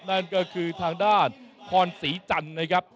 นั่นก็คือทางด้านพรศรีจันทร์นะครับ